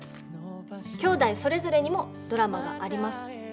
きょうだいそれぞれにもドラマがあります。